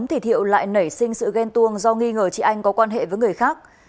thì thiệu lại nảy sinh sự ghen tuông do nghi ngờ chị anh có quan hệ với người khác